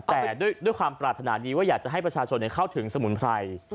แต่ด้วยความปรารถนาดีว่าอยากจะให้ประชาชนเข้าถึงสมุนไพร